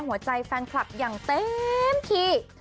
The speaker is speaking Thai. หัวใจแฟนคลับอย่างเต็มที่